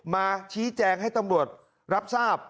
มาชี้แจงให้ตำรวจรับทราบ